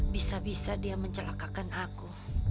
bisa bisa dia mencelakakan aku